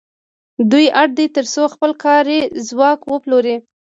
دوی اړ دي تر څو خپل کاري ځواک وپلوري